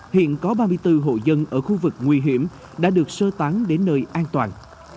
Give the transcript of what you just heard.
hiện có ba mươi bốn hộ dân ở khu vực nguy hiểm đã được sơ tán đến nơi an toàn